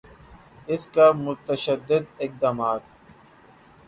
اس کا متشدد اقدامات